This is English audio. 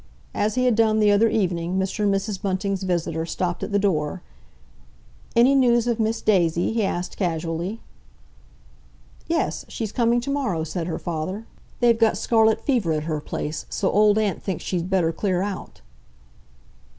As he had done the other evening, Mr. and Mrs. Bunting's visitor stopped at the door. "Any news of Miss Daisy?" he asked casually. "Yes; she's coming to morrow," said her father. "They've got scarlet fever at her place. So Old Aunt thinks she'd better clear out."